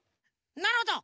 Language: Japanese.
なるほど！